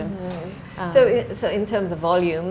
jadi dalam hal volume